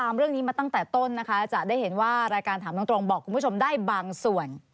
ตามเรื่องนี้มาตั้งแต่ต้นนะคะจะได้เห็นว่ารายการถามตรงบอกคุณผู้ชมได้บางส่วน